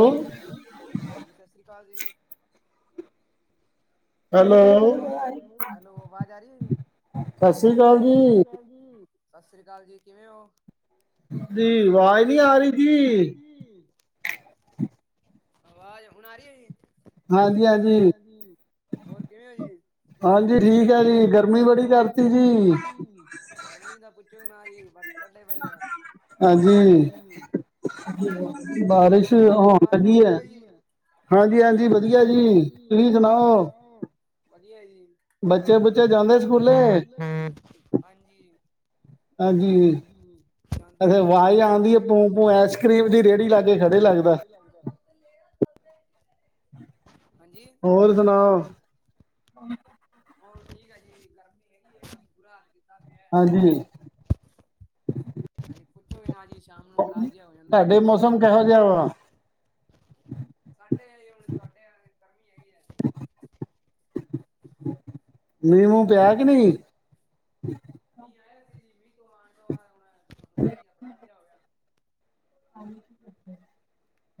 Hello, ਹਾਂਜੀ ਸਤਿ ਸ੍ਰੀ ਅਕਾਲ ਜੀ। ਹੈਲੋ। ਹੈਲੋ ਹੈਲੋ ਵਾਜ਼ ਆ ਰਹੀ ਏ ਜੀ ਸਤਿ ਸ੍ਰੀ ਅਕਾਲ ਸਸਰੀ ਜੀ ਕਾਲ ਸਸਰੀ ਕਾਲ ਜੀ ਕਿਵੇਂ ਹੋ? ਜੀ ਵਾਜ਼ ਨੀ ਜੀ ਆ ਰਹੀ ਆਵਾਜ਼ ਨਹੀਂ ਆ ਰਹੀ ਜੀ ਆਵਾਜ਼ ਹੁਣ ਆ ਰਹੀ ਏ ਜੀ ਹਾਂਜੀ ਹਾਂਜੀ। ਹੋਰ ਕਿਵੇਂ ਓ ਜੀ ਠੀਕ ਹੈ ਹਾਂਜੀ ਜੀ ਠੀਕ ਆ ਗਰਮੀ ਜੀ ਬੜੀ ਗਰਮੀ ਕਰਤੀ ਬੜੀ ਜੀ ਕਰਤੀ ਜੀ। ਗਰਮੀ ਦਾ ਪੁੱਛੋ ਨਾ ਜ ਵੱਟ ਕੱਢੇ ਪਏ ਆ, ਹਾਂਜੀ ਬਾਰਿਸ਼ ਬਾਰਿਸ਼ ਹੋਣ ਲੱਗੀ ਹੈ ਹਾਂਜੀ-ਹਾਂਜੀ ਹਾਂਜੀ ਵਧੀਆਂ ਹਾਂਜੀ ਜੀ, ਤੁਸੀਂ ਸੁਣਾਓ? ਵਧੀਆਂ ਐ ਜੀ ਬੱਚੇ ਬੁੱਚੇ ਬੱਚਾ ਜਾਂਦੇ ਬੁੱਚਾ ਸਕੂਲੇ ਹਾਂਜੀ ਹਾਂਜੀ ਅੱਛਾ ਆਵਾਜ਼ ਆਉਂਦੀ ਹੈ ਪੁੰ ਪੂੰ ਆਈਸ ਕਰ੍ਰੀਮ ਦੀ ਰੇਹੜੀ ਲਾ ਕੇ ਖੜੇ ਲੱਗਦਾ ਹਾਂਜੀ ਹੋਰ ਸੁਣਾਓ ਉਹ ਠੀਕ ਆ ਜੀ ਗਰਮੀ ਹੈਗੀ ਆ ਬੁਰਾ ਹਾਲ ਜੀ ਹਾਂਜੀ। ਹਾਂਜੀ ਪੁੱਛੋ ਹੀ ਨਾ ਜੀ ਸ਼ਾਮ ਨੂੰ ਬੜਾ ਜਿਹਾ ਹੋ ਜਾਂਦਾ ਹੈ ਤੁਹਾਡੇ ਮੌਸਮ ਕਿਹੋ ਜਾ ਵਾ [unintelligible] ਮੀਂਹ ਮੂੰ ਪਿਆ ਕਿ ਗਰ- ਨਹੀਂ [inaudible]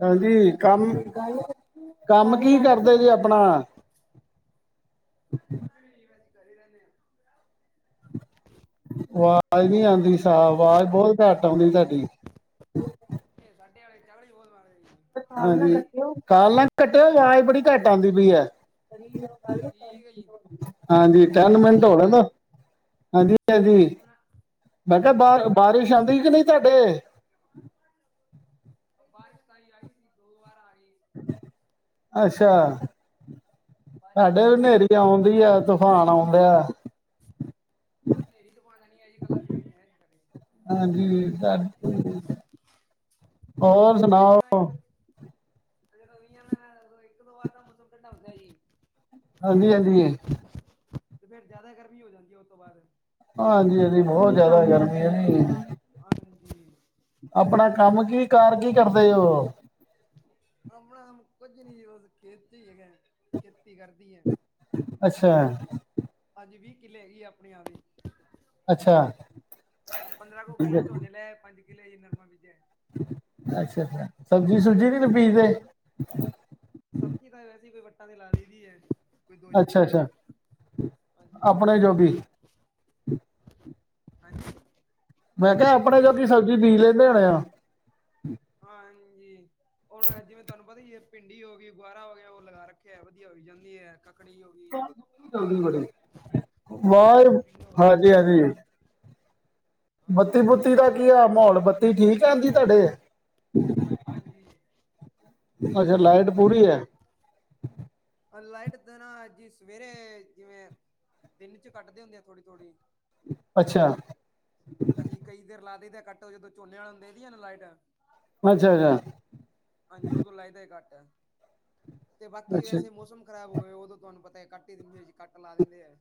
ਹਾਂਜੀ ਕੰਮ ਕੀਤਾ ਜੇ - ਕੰਮ ਕੀ ਕਰਦੇ ਹਾਂਜੀ ਜੇ ਆਪਣਾ [unintelligible] ਆਵਾਜ਼ ਨੀ ਆਂਦੀ ਸਾਫ਼, ਆਵਾਜ਼ ਬਹੁਤ ਘੱਟ ਆਂਦੀ ਤੁਹਾਡੀ ਇਹ ਸਾਡੇ ਆਲੇ ਚਲ ਬਹੁਤ ਮਾੜੇ ਜੀ ਹਾਂਜੀ ਕਾਲ ਨਾ ਕੱਟਿਓ, ਆਵਾਜ਼ ਬੜੀ ਘੱਟ ਆਂਦੀ ਪਈ ਏ ਠੀਕ ਹੈ ਜੀ ਹਾਂਜੀ ਤਿੰਨ ਹੁਣ ਆ ਮਿੰਟ ਰਹੀ ਹੈ ਹੋ ਜੀ ਗਏ ਆਵਾਜ਼ ਨ ਹਾਂਜੀ ਹਾਂਜੀ ਭੈਣਜੀ ਹੁਣ ਹੁਣ ਮੈਂ ਕਿਹਾ ਆ ਰਹੀ ਹੈ ਜੀ ਬਾਹਰ ਆਵਾਜ਼ ਬਾਰਿਸ਼ ਆਂਦੀ ਕਿ ਨਹੀਂ ਤੁਹਾਡੇ ਬਾਰਿਸ਼ ਤਾਂਈ ਆਈ ਸੀ, ਹੁਣ ਦੁਬਾਰਾ ਆ ਰਹੀ ਜੀ ਅੱਛਾ ਬਾਰਿਸ਼ ਸਾਡੇ ਦੋ ਵੀ ਵਾਰ ਆਈ ਹਨੇਰੀ ਸੀ ਆਉਂਦੀ ਐ, ਤੂਫ਼ਾਨ ਆਉਂਦਾ ਐ ਹਨੇਰੀ ਤੇ ਪਹਿਲਾ ਨਈ ਆਈ ਜੀ, ਕਲਾਂ ਮੀਂਹ ਹੀ ਆਯਾ ਐ ਸਾਡੇ ਹਾਂਜੀ ਹੋਰ ਸੁਣਾਓ ਫਿਰ ਹਨੇਰੀਆਂ ਨਾਲ, ਇੱਕ ਦੋ ਵਾਰ ਤਾਂ ਮੌਸਮ ਠੰਡਾ ਹੁੰਦਾ ਜੀ ਹਾਂਜੀ ਹਾਂਜੀ ਤੇ ਫ਼ੇਰ ਜ਼ਿਆਦਾ ਗਰਮੀ ਹੋ ਜਾਂਦੀ ਉਸ ਤੋਂ ਬਾਦ ਹਾਂਜੀ ਹਾਂਜੀ ਬਹੁਤ ਜ਼ਿਆਦਾ ਗਰਮੀ ਆ ਜੀ ਹਾਂਜੀ ਆਪਣਾ ਕੰਮ ਕੀ ਕਾਰ ਕੀ ਕਰਦੇ ਉਹ ਆਪਣਾ ਕੰਮ ਕੁਝ ਨਹੀਂ ਜੀ, ਬਸ ਖੇਤੀ ਹੀ ਹੈਗਾ ਖੇਤੀ ਕਰਦੀ ਏ ਅੱਛਾ ਹਾਂਜੀ ਵੀਹ ਕਿੱਲੇ ਹੈਗੀ ਆ ਆਪਣੇ ਆਵਦੇ ਅੱਛਾ ਪੰਦਰਾਂ ਕੁ ਕਿੱਲੋ ਝੋਨੇ ਲੈ ਪੰਜ ਕਿੱਲੇ ਜੀ ਨਰਮਾ ਬੀਜਿਆ ਏ ਅੱਛਾ ਅੱਛਾ ਸਬਜ਼ੀ ਸੁਬਜੀ ਨੀ ਕੋਈ ਬੀਜਦੇ ਸਬਜ਼ੀ ਤਾਂ ਵੈਸੇ ਹੀ ਕੋਈ ਵੱਟਾਂ ਤੇ ਲਾ ਲਈ ਦੀ ਏ ਅੱਛਾ ਅੱਛਾ ਹਾਂਜੀ ਆਪਣੇ ਜੋਗੀ ਹਾਂਜੀ ਮੈਂ ਕਿਹਾ ਆਪਣੇ ਜੋਗੀ ਸਬਜ਼ੀ ਬੀਜ ਲੈਂਦੇ ਹੋਣੇ ਆ ਹਾਂਜੀ ਹੁਣ ਜਿਵੇਂ ਤੁਹਾਨੂੰ ਪਤਾ ਈ ਏ ਭਿੰਡੀ ਹੋ ਗਈ ਗੁਆਰਾ ਹੋ ਗਿਆ, ਉਹ ਲਗਾ ਰੱਖਿਆਂ ਹੈ ਵਧੀਆਂ ਹੋਈ ਜਾਂਦੀ ਹੈ ਕੱਕੜੀ ਹੋ ਗਈ ਗਰਮੀ ਬੜੀ, ਤੋਰੀ ਹੋ ਬਾਹਰ ਗਈ ਟਿੰਡੋ ਹੋ ਗਈ ਹਾਂਜੀ-ਹਾਂਜੀ। ਹਾਂਜੀ ਬੱਤੀ-ਬੁੱਤੀ ਦਾ ਕੀ ਆ ਮਾਹੌਲ, ਬੱਤੀ ਠੀਕ ਆਂਦੀ ਤੁਹਾਡੇ, ਹਾਂਜੀ। ਅੱਛਾ ਲਾਈਟ ਪਤਾ ਪੂਰੀ ਠੀਕ ਐ। ਹੈ ਲਾਈਟ ਤਾਂ ਨਾ ਜੀ ਸਵੇਰੇ ਜਿਵੇਂ ਦਿਨ ਚ ਕੱਟਦੇ ਹੁੰਦੇ ਆ ਥੋੜੀ- ਥੋੜ੍ਹੀ, ਅੱਛਾ। ਹਾਂਜੀ, ਕਈ ਦੇਰ ਲਾ ਦਈਂ ਦਾ ਐ ਕੱਟੋ ਜਦੋਂ ਝੋਨੇ ਵਾਲੇ ਦੇਦੀ ਆ ਲਾਈਟ, ਅੱਛਾ-ਅੱਛਾ। ਹਾਂਜੀ, ਉਦੋਂ ਲਾਈਦਾ ਹੀ ਘੱਟ ਐ ਤੇ ਬਾਕੀ ਅੱਛਾ ਵੈਸੇ ਮੌਸਮ ਖ਼ਰਾਬ ਹੋਏ ਉਦੋਂ ਤੁਹਾਨੂੰ ਪਤਾ ਐ ਕੱਟ ਈ ਦਿੰਦੇ ਐ ਜੀ ਕੱਟ ਲਾ ਦਿੰਦੇ ਐ।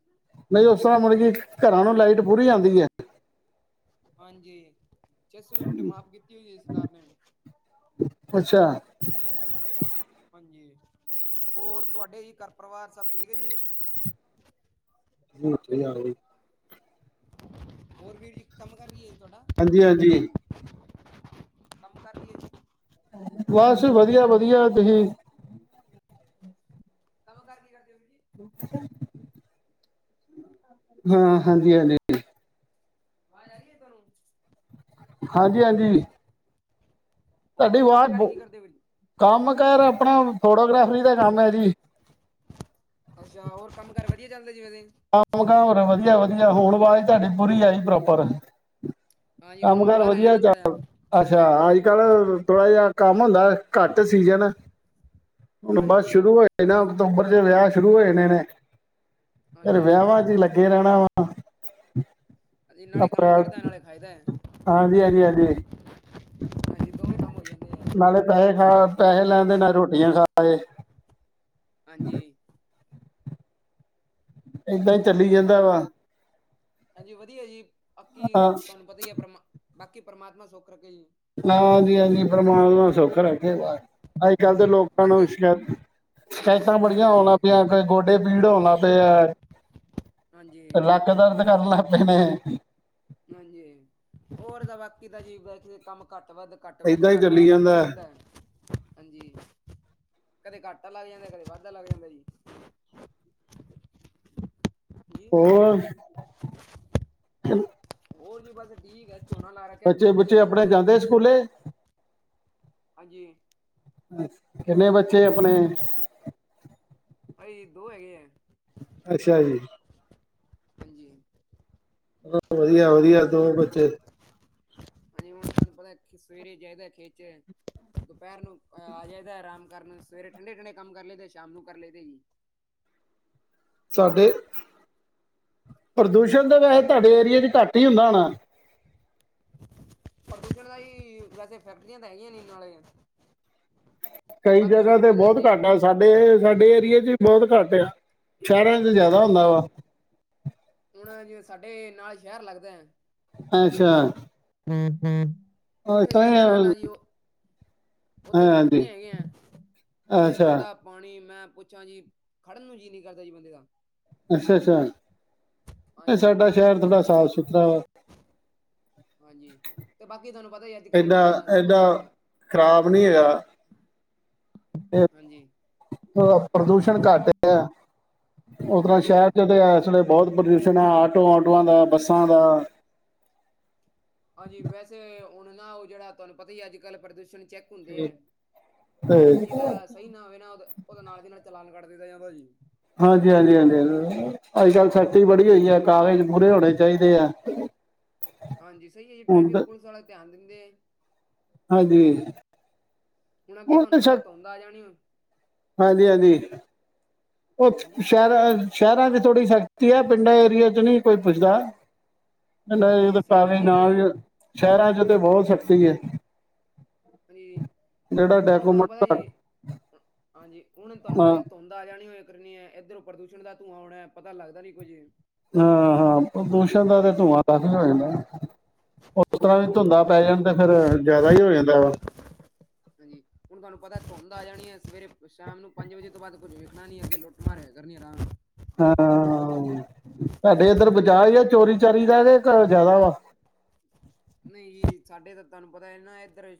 ਨਹੀਂ ਉਸ ਤਰ੍ਹਾਂ ਮਤਲਬ ਕਿ ਕਰਾਂ ਨੂੰ ਲਾਈਟ ਪੂਰੀ ਆਂਦੀ ਐ। ਹਾਂਜੀ, ਛੇ ਸੌ ਯੂਨਿਟ ਮਾਫ਼ ਕੀਤੀ ਹੋਈ ਈ ਸਰਕਾਰ ਨੇ। ਅੱਛਾ। ਹਾਂਜੀ, ਹੋਰ ਤੁਹਾਡੇ ਜੀ ਕਰ ਪਰਿਵਾਰ ਸਭ ਠੀਕ ਏ ਜੀ। ਉੱਥੇ ਜਾਗੇ। ਹੋਰ ਵੀਰ ਜੀ ਕੰਮ-ਕਾਰ ਕੀ ਆ ਜੀ ਤੁਹਾਡਾ? ਹਾਂਜੀ-ਹਾਂਜੀ। ਕੰਮ ਕਾਰ ਕੀ ਏ ਜੀ। ਬਸ ਵਧੀਆ-ਵਧੀਆ, ਤੁਹੀ ਕੰਮ-ਕਾਰ ਕੀ ਕਰਦੇ ਓ ਜੀ? [inaudible] ਹਾਂ, ਹਾਂਜੀ-ਹਾਂਜੀ। ਆਵਾਜ਼ ਆ ਰਈ ਐ ਤੁਹਾਨੂੰ? ਹਾਂਜੀ-ਹਾਂਜੀ। ਤੁਹਾਡੀ ਹੋਰ ਕੰਮ ਆਵਾਜ਼ ਕਾਰ ਬੋ, ਕੀ ਕਰਦੇ ਹੋ ਵੀਰ ਜੀ ਕੰਮ-ਕਾਰ ਆਪਣਾ ਫੋਟੋਗ੍ਰਾਫਰੀ ਦਾ ਕੰਮ ਐ ਜੀ। ਅੱਛਾ, ਹੋਰ ਕੰਮ-ਕਾਰ ਵਧੀਆ ਚੱਲਦਾ ਜੀ [unintelligible] ਕੰਮ-ਕਾਰ ਹੋਰ ਵਧੀਆ-ਵਧੀਆ, ਹੁਣ ਆਵਾਜ਼ ਤੁਹਾਡੀ ਪੂਰੀ ਆਈ ਪ੍ਰੋਪਰ। ਹਾਂਜੀ ਹੁਣ ਮੈਂ ਕੰਮ-ਕਾਰ ਬਾਹਰ ਆਇਆ ਵਧੀਆ ਨਾ ਥੋੜਾ ਜਿਹਾ ਚੱਲਦ ਅੱਛਾ ਅੱਜ-ਕੱਲ੍ਹ ਥੋੜ੍ਹਾ ਜਿਹਾ ਕੰਮ ਹੁੰਦਾ ਘੱਟ ਸੀਜ਼ਨ ਹੁਣ ਬਸ ਹਾਂਜੀ ਸ਼ੁਰੂ ਹੋਏ ਨਾ ਅਕਤੂਬਰ ਚ ਵਿਆਹ ਸ਼ੁਰੂ ਹੋਏ ਨੇ ਨੇ ਫੇਰ ਹਾਂਜੀ ਵਿਆਹਾਂ ਚ ਲ ਲੱਗੇ ਰਹਿਣਾ ਵਾ। ਅਸੀਂ ਨਾਲੇ ਕੰਮ ਅਪ੍ਰੈਲ ਕਰਦਾ ਨਾਲੇ ਖਾਇਦਾ। ਹਾਂਜੀ, ਹਾਂਜੀ, ਹਾਂਜੀ। ਹਾਂਜੀ ਦੋਵੇਂ ਕੰਮ ਹੋ ਜਾਂਦੇ ਆ ਨਾਲੇ ਪੈਹੇ ਖਾ ਪੈਹੇ ਲੇ ਆਂਦੇ ਨਾਲੇ ਰੋਟੀਆਂ ਖਾ ਆਏ। ਹਾਂਜੀ। ਇਦਾਂ ਈ ਚੱਲੀ ਜਾਂਦਾ ਹੋਰ ਵਾਂ। ਹਾਂਜੀ ਵਧੀਆ ਜੀ ਬਾਕੀ ਹਾਂ ਤੁਹਾਨੂੰ ਪਤਾ ਈ ਐ ਪਰਮਾ ਬਾਕੀ ਪ੍ਰਮਾਤਮਾਂ ਸੁੱਖ ਰੱਖੇ ਜੀ। ਨਾ ਹਾਂਜੀ-ਹਾਂਜੀ ਪਰਮਾਤਮਾ ਸੁੱਖ ਰੱਖੇ ਬਸ, ਅੱਜ-ਕੱਲ੍ਹ ਤਾਂ ਤੇ ਲੋਕਾਂ ਨੂੰ ਬਾਕੀ ਸ਼ਿਕਾਇਤ ਸ਼ਿਕਾਇਤਾਂ ਬੜੀਆਂ ਆਉਣ ਹਾਂਜੀ ਲੱਗ ਪਿਆ। ਕੋਈ ਗੋਡੇ ਪੀੜ ਹੋਣ ਲੱਗ ਪਏ ਆ, ਹਾਂਜੀ ਲੱਕ ਦਰਦ ਕਰਨ ਲੱਗ ਪਏ ਨੇ। ਹਾਂਜੀ, ਹੋਰ ਤਾਂ ਬਾਕੀ ਤਾਂ ਜੀ ਵੈਸੇ ਕੰਮ ਘੱਟ-ਵੱਧ ਘੱਟ-ਵੱਧ, ਏਦਾਂ ਹੀ ਚੱਲੀ ਘੱਟਾ-ਵੱਧਾ ਹੁੰਦਾ ਜਾਂਦਾ ਈ ਹੈ। ਰਹਿੰਦਾ ਐ। ਹਾਂਜੀ, ਕਦੇ ਘੱਟਾ ਲੱਗ ਜਾਂਦਾ ਕਦੇ ਵਾਦਾ ਲੱਗ ਜਾਂਦਾ ਜੀ। ਜੀ ਹੋਰ। ਹੋਰ ਜੀ ਬਸ ਠੀਕ ਐ, ਝੋਨਾ ਲਾ ਰੱਖਿਆ ਬੱਚੇ ਝੋਨੇ ਨੂੰ ਬੱਚੇ ਤੁਹਾਨੂੰ ਆਪਣੇ ਪਤਾ ਮੀਂ ਜਾਂਦੇ ਐ ਸਕੂਲੇ ਹਾਂਜੀ। ਕਿੰਨੇ ਬੱਚੇ ਆਪਣੇ? ਬਾਈ ਜੀ ਦੋ ਹੈਗੇ ਐ। ਅੱਛਾ ਜੀ। ਹਾਂਜੀ। ਵਧੀਆ-ਵਧੀਆਂ ਦੋ ਬੱਚੇ ਹਾਂਜੀ ਹੁਣ ਤੁਹਾਨੂੰ ਪਤਾ ਸਵੇਰੇ ਜਾਈ ਦਾ ਖੇਤ ਚ ਦੁਪਹਿਰ ਨੂੰ ਆ ਜਾਏਦਾ ਆਰਾਮ ਕਰਨ ਸਵੇਰੇ ਠੰਡੇ-ਠੰਡੇ ਕੰਮ ਕਰ ਲਈਦਾ ਸ਼ਾਮ ਨੂੰ ਕਰ ਲਈਦਾ ਜੀ। ਸਾਡੇ, ਪ੍ਰਦੂਸ਼ਣ ਤਾਂ ਵੈਸੇ ਤੁਹਾਡੇ ਏਰੀਏ 'ਚ ਘੱਟ ਈ ਹੁੰਦਾ ਹੋਣਾ? ਪ੍ਰਦੂਸ਼ਣ ਦਾ ਹੀ ਵੈਸੇ ਫੈਕਟਰੀਆਂ ਤਾਂ ਹੈਗੀਆ ਨੀ ਨਾਲ਼ੇ। ਕਈ ਜਗ੍ਹਾ ਤੇ ਬਹੁਤ ਘਾਟਾ ਸਾਡੇ ਸਾਡੇ ਏਰੀਏ 'ਚ ਵੀ ਬਹੁਤ ਘੱਟ ਆ, ਸ਼ਹਿਰਾਂ ਚ ਜ਼ਿਆਦਾ ਹੁੰਦਾ ਵਾ। ਹੁਣ ਜਿਵੇਂ ਸਾਡੇ ਨਾਲ਼ ਸ਼ਹਿਰ ਲੱਗਦਾ ਐ ਅੱਛਾ ਉਹ ਉੱਥੇ ਤਾਂ ਹੀ ਲੈੰਦਾ ਨਾ ਆ, ਦਾ ਜੀ ਉਹ ਉੱਥੇ ਹਾਂਜੀ ਫੈਕਟਰੀਆਂ ਹੈਗੀਆਂ, ਉੱਥੇ ਅੱਛਾ ਗੰਦਾ ਪਾਣੀ ਮੈਂ ਪੁੱਛਾਂ ਜੀ, ਖੜਨ ਨੂੰ ਜੀਅ ਨੀ ਕਰਦਾ ਜੀ ਬੰਦੇ ਦਾ‌। ਅੱਛਾ-ਅੱਛਾ, ਨਹੀ ਹਾਂਜੀ ਸਾਡਾ ਸ਼ਹਿਰ ਥੋੜ੍ਹਾ ਪ੍ਰਦੂਸ਼ਣ ਸਾਫ-ਸੁਥਰਾ ਵਾ। ਹਾਂਜੀ, ਤੇ ਬਾਕੀ ਥੋਨੂੰ ਪਤਾ ਈ ਅੱਜ ਕੱਲ੍ਹ ਐਡਾ ਨਾ ਐਡਾ ਅਹ ਖਰਾਬ ਤੇ ਹਾਂਜੀ ਅ, ਪ੍ਰਦੂਸ਼ਣ ਘੱਟ ਆ। ਉਸ ਤਰ੍ਹਾਂ ਸ਼ਹਿਰ ਹਾਂਜੀ 'ਚ ਤਾਂ ਇਸ ਵੇਲੇ ਬਹੁਤ ਪ੍ਰਦੂਸ਼ਣ ਆ ਆਟੋ ਆਟੋਆਂ ਦਾ, ਬੱਸਾਂ ਦਾ ਹਾਂਜੀ ਵੈਸੇ ਹੁਣ ਨਾ ਉਹ ਜਿਹੜਾ ਤੁਹਾਨੂੰ ਪਤਾ ਈ ਅੱਜ ਕੱਲ੍ਹ ਪ੍ਰਦੂਸ਼ਣ ਚੈੱਕ ਹੁੰਦੇ ਆ, ਤੇ ਜਿਹਦਾ ਸਹੀ ਨਾ ਹੋਵੇ ਨਾ ਉਹਦਾ ਨਾਲ਼ ਦੀ ਨਾਲ਼ ਚਲਾਨ ਕੱਟ ਦਿੱਤਾ ਜਾਂਦਾ ਜੀ। ਹਾਂਜੀ ਹਾਂਜੀ ਹਾਂਜੀ। ਅੱਜਕੱਲ੍ਹ ਸਖ਼ਤੀ ਬੜੀ ਹੋਈ ਆ ਕਾਗਜ਼ ਪੂਰੇ ਹੋਣੇ ਚਾਹੀਦੇ ਆ। ਹਾਂਜੀ ਸਹੀ ਐ ਜੀ ਹੁਣ ਟਰੈਫਿਕ ਤਾਂ- ਪੁਲਿਸ ਆਲਾ ਧਿਆਨ ਦਿੰਦੇ ਐ। ਹਾਂਜੀ। ਹੁਣ ਅੱਗੇ ਤੁਹਾਨੂੰ ਪਤਾ ਧੁੰਦ ਆ ਜਾਣੀ [unintelligible] ਹਾਂਜੀ-ਹਾਂਜੀ। ਉਹ, ਹਾਂਜੀ ਸ਼ਹਿਰਾਂ ਸ਼ਹਿਰਾਂ ਥੋੜ੍ਹੀ ਸਖ਼ਤੀ ਹੈ ਪਿੰਡਾਂ ਏਰੀਏ 'ਚ ਨੀ ਕੋਈ ਪੁੱਛਦਾ। ਹਾਂਜੀ ਸ਼ਹਿਰਾਂ 'ਚ ਹੀ ਹੈਗੀ ਹੈ ਜੀ [unintelligible] ਸ਼ਹਿਰਾਂ ਚ ਤਾਂ ਬਹੁਤ ਸਖ਼ਤੀ ਏ। ਹਾਂਜੀ, ਹੁਣ ਤੁਹਾਨੂੰ ਪਤਾ ਘੱਟ ਜੀ, ਅ ਹਾਂਜੀ ਹੁਣ ਤੁਹਾਨੂੰ ਹਾਂ ਪਤਾ ਧੁੰਦ- ਆ ਜਾਣੀ ਹੋਇਆ ਕਰਨੀ ਆ ਇੱਧਰੋਂ ਪ੍ਰਦੂਸ਼ਣ ਦਾ ਧੂੰਆਂ ਹੋਣਾ ਪਤਾ ਲੱਗਦਾ ਨੀ ਕੁੱਝ। ਹਾਂ-ਹਾਂ ਪ੍ਰਦੂਸ਼ਣ ਦਾ ਤੇ ਹਾਂਜੀ ਧੂੰਆਂ ਕਾਫ਼ੀ ਹੋ ਜਾਂਦਾ। ਉਸ ਤਰ੍ਹਾਂ ਵੀ ਹਾਂਜੀ ਧੁੰਦਾਂ ਪੈ ਜਾਣ ਤਾਂ ਫ਼ੇਰ ਜ਼ਿਆਦਾ ਈ ਹੋ ਜਾਂਦਾ ਵਾ। ਹਾਂਜੀ, ਹੁਣ ਤੁਹਾਨੂੰ ਪਤਾ ਧੁੰਦ ਆ ਜਾਣੀ ਹੈ ਸਵੇਰੇ ਸ਼ਾਮ ਨੂੰ ਪੰਜ ਵਜੇ ਤੋਂ ਬਾਅਦ ਕੁੱਝ ਵੇਖਣਾ ਨੀ ਅੱਗੇ ਲੋਕੀਂ [unintelligible] ਕਰਨੀ ਆਰਾਮ ਨਾ। ਹਾਂ, ਤਾਡੇ ਇੱਧਰ ਹਾਂਜੀ ਬਚਾਅ ਆ ਚੋਰੀ ਚਾਰੀ ਦਾ ਕੁਛ ਜ਼ਿਆਦਾ ਵਾ? ਨਹੀਂ ਸਾਡੇ ਤਾਂ ਤੁਹਾਨੂੰ ਪਤਾ ਹੈ ਨਾ ਇੱਧਰ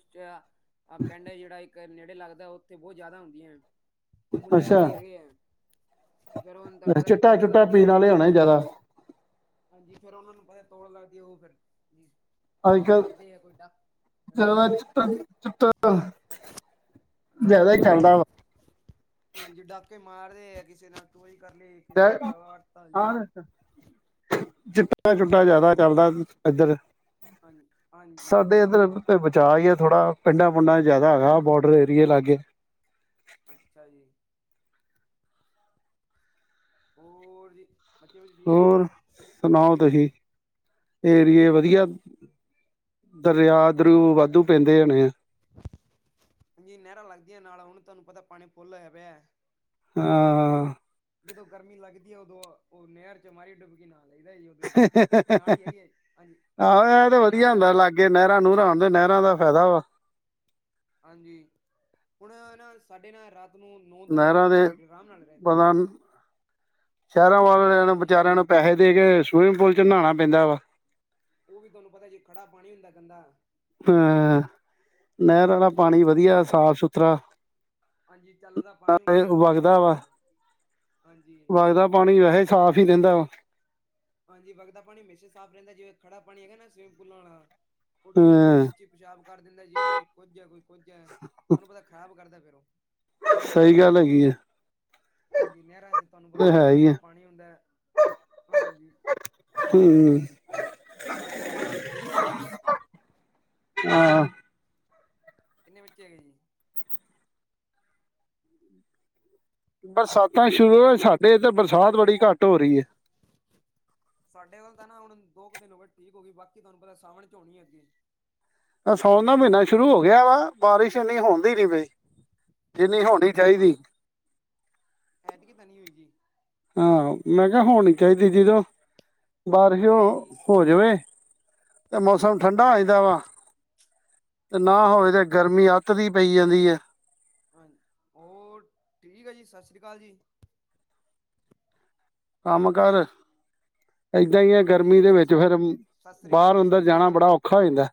ਪਿੰਡ ਹੈ ਜਿਹੜਾ ਨੇੜੇ ਲੱਗਦਾ ਉੱਥੇ ਬਹੁਤ ਜ਼ਿਆਦਾ ਹੁੰਦੀਆਂ, ਉਹ ਮੁੰਡੇ ਅੱਛਾ ਅਮਲੀ ਹੈਗੇ ਆ। ਤੇ ਫੇ਼ਰ ਉਹ ਤੁਹਾਨੂੰ ਪਤਾ ਜੀ ਚਿੱਟਾ ਤੋੜ ਚੁੱਟਾ ਲੱਗਦੀ ਹੈ ਪੀਣ ਉਹ ਵਾਲੇ ਹੋਣੇ ਜ਼ਿਆਦਾ ਹਾਂਜੀ ਫ਼ੇਰ ਉਹਨਾਂ ਨੂੰ ਪਤਾ ਤੋੜ ਲੱਗਦੀ ਏ ਉਹ ਫ਼ੇਰ ਅੱਜ ਚੋਰੀਆਂ ਕੱਲ ਕਰਦੇ ਐ ਕੋਈ ਡਾਕੂ, ਹਾਂਜੀ। [unintelligible] ਜ਼ਿਆਦਾ ਹਾਂਜੀ, ਹੀ ਚੱਲਦਾ ਹਾਂਜੀ ਡਾਕੇ ਮਾਰਦੇ ਕਿਸੇ ਨਾਲ਼ ਤੋਈ ਕਰ ਲਈ ਕਿਸੇ ਦਾ [unintelligible] ਗਲਾ ਵੱਟਤਾ ਜੀ ਚਿੱਟਾ-ਚੁੱਟਾ ਹਾਂਜੀ ਜ਼ਿਆਦਾ ਚੱਲਦਾ ਜੀ ਇੱਧਰ, ਹਾਂਜੀ ਸਾਡੇ ਹਾਂਜੀ ਇੱਧਰ ਤੇ ਬਚਾਅ ਈ ਆ ਥੋੜ੍ਹਾ ਪਿੰਡਾਂ-ਪੁੰਡਾ 'ਚ ਜ਼ਿਆਦਾ ਹੈਗਾ ਬੋਰਡਰ ਏਰੀਏ ਲਾਗੇ। ਅੱਛਾ ਜੀ। ਹੋਰ ਜੀ। ਬੱਚੇ ਬੱਚੇ ਠੀਕ ਹੈ ਜੀ ਹੋਰ, ਸੁਣਾਓ ਤੁਸੀਂ, ਏਰੀਏ ਵਧੀਆਂ? ਦਰਿਆ-ਦਰੂ ਵਾਧੂ ਪੈਂਦੇ ਹੋਣੇ ਐ? ਜੀ, ਨਹਿਰਾਂ ਲੱਗਦੀਆਂ ਨਾਲ ਹੁਣ ਤੁਹਾਨੂੰ ਪਤਾ ਪਾਣੀ ਫੁੱਲ ਹੋਇਆ ਪਿਆ। ਹਾਂ ਜਦੋਂ ਗਰਮੀ ਲੱਗਦੀ ਐ। ਉਦੋਂ ਉਹ ਨਹਿਰ ਚ ਮਾਰੀ ਡੁਬਕੀ ਨਾਅ ਲਈਦਾ ਜੀ ਓ ਆਹੋ, ਇਹ ਖੇਤ ਤੇ ਦੇ ਨਾਲ ਵਧੀਆ ਹੀ ਹੁੰਦਾ ਲਾਗੇ ਲੱਗਦੇ ਲਾਗੇ ਨਹਿਰਾਂ ਨੂੰਰਾ ਹੋਣ ਤੇ ਨਹਿਰਾਂ ਦਾ ਫਾਇਦਾ ਵਾ। ਹਾਂਜੀ, ਹੁਣ ਏਨਾ ਸਾਡੇ ਨਾਲ ਰਾਤ ਨੂੰ ਨੌ ਦਸ ਵਜੇ ਨਹਿਰਾਂ ਤੱਕ ਦੇ ਭੀੜ ਆਰਾਮ ਨਾਲ ਰਹਿੰਦੀ ਪਤਾ ਇਨੂੰ, ਸ਼ਹਿਰਾਂ ਵਾਲਿਆਂ ਨੂੰ ਹਾਂਜੀ ਵਿਚਾਰਿਆਂ ਨੂੰ ਪੈਸੇ ਦੇ ਕੇ ਸੂਵਿਮਿੰਗ ਪੂਲ ਚ ਨਾਂਣਾ ਪੈਂਦਾ ਵਾ। ਉਹ ਵੀ ਤੁਹਾਨੂੰ ਪਤਾ ਜੇ ਖੜਾ ਪਾਣੀ ਹੁੰਦਾ ਐ ਗੰਦਾ ਹਹ, ਨਹਿਰ ਵਾਲਾ ਵਿੱਚੇ ਉਹ ਪਾਣੀ ਚ ਵਧੀਆ ਪਿਸ਼ਾਬ ਸਾਫ-ਸੁਥਰਾ ਹਾਂਜੀ ਚੱਲਦਾ ਪਾਣੀ ਹੁੰਦਾ ਐ, ਠੰਡਾ ਪਾਣੀ ਵਗਦਾ ਹੁੰਦਾ ਵਾ ਐ। ਵਗਦਾ ਪਾਣੀ ਵੈਸੇ ਸਾਫ਼ ਈ ਰਹਿੰਦਾ ਵਾ। ਹਾਂਜੀ, ਵਗਦਾ ਪਾਣੀ ਹਮੇਸ਼ਾ ਸਾਫ਼ ਰਹਿੰਦਾ, ਜਿਵੇਂ ਖੜਾ ਪਾਣੀ ਹੈਗਾ ਨਾ ਸਵਿਮਿੰਗ ਪੂਲਾ ਆਲਾ ਉੱਥੇ ਜੀ ਹਾਂ ਕੋਈ ਚ ਪਿਸ਼ਾਬ ਕਰ ਦਿੰਦਾ ਜੀ ਕੋਈ ਕੁੱਝ ਐ ਕੋਈ ਕੁੱਝ ਐ। ਉਹਨੂੰ ਪਤਾ ਖ਼ਰਾਬ ਕਰਦਾ ਫੇਰ ਉਹ ਸਹੀ ਗੱਲ ਐਗੀ ਏ। ਹਾਂਜੀ ਨਹਿਰਾਂ ਚ ਤਾਨੂੰ ਪਤਾ ਹੈ ਹੀ ਚੱਲਦਾ ਆ ਪਾਣੀ ਹੁੰਦਾ ਐ, ਹਾਂਜੀ। ਹੂੰ ਹੋਰ ਜੀ ਬੱਚੇ ਠੀਕ ਐ ਤੁਹਾਡੇ? ਆ ਕਿੰਨੇ ਬੱਚੇ ਐਗੇ ਜੀ? ਬਰਸਾਤਾਂ ਸ਼ੁਰੂ ਏ, ਹੋਰ ਸਾਡੇ ਇੱਧਰ ਬਰਸਾਤ ਬੜੀ ਘੱਟ ਹੋ ਰਹੀ ਏ। ਸਾਡੇ ਵੱਲ ਤਾਂ ਨਾ ਹੁਣ ਦੋ ਕੁ ਦਿਨ ਹੋ ਗਏ ਠੀਕ ਹੋ ਗਈ। ਬਾਕੀ ਤੁਹਾਨੂੰ ਪਤਾ ਸਾਵਣ ਝੋੜੀ ਏ ਅੱਗੇ। ਨਾ ਸੋਉਣ ਦਾ ਮਹੀਨਾ ਸ਼ੁਰੂ ਹੋ ਗਿਆ ਵਾ ਬਾਰਿਸ਼ ਇੰਨੀ ਹੁੰਦੀ ਨੀ ਪਈ। ਜਿੰਨੀ ਹੋੜੀ ਹਾਂ ਚਾਈਦੀ ਏ। ਐਤਕੀ ਤਾਂ ਨਈ ਹੋਈ ਜੀ। ਹਾਂ, ਮੈਂ ਕਿਹਾ ਹੋਣੀ ਚਾਈਦੀ। ਜਦੋਂ ਬਾਰਿਸ਼, ਹਾਂਜੀ ਹੋ ਜਾਵੇ ਤੇ ਮੌਸਮ ਹਾਂਜੀ ਠੰਡਾ ਆ ਜਾਂਦਾ ਵਾ ਤੇ ਨਾ ਹਾਂਜੀ ਹੋਵੇ ਤੇ ਗਰਮੀ ਅੱਤ ਦੀ ਪਈ ਜਾਂਦੀ ਐ। ਹਾਜ, ਹੋਰ ਠੀਕ ਐ ਜੀ, ਸਸ ਰੀ ਕਾਲ ਜੀ। ਕੰਮ-ਕਾਰ ਏਦਾਂ ਈ ਐ, ਹੋਰ ਠੀਕ ਹੈ ਗਰਮੀ ਜੀ ਦੇ ਸਤਿ ਵਿੱਚ ਸ਼੍ਰੀ ਫਿਰ ਸਤਿ ਸ਼੍ਰੀ ਅਕਾਲ ਜੀ ਬਾਹਰ-ਅੰਦਰ ਸਤਿ ਸ਼੍ਰੀ ਜਾਣਾ ਅਕਾਲ ਬੜਾ ਔਖਾ ਹੋ ਜਾਂਦਾ‌।